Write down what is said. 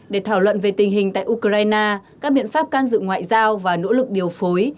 để thảo luận về tình hình tại ukraine các biện pháp can dự ngoại giao và nỗ lực điều phối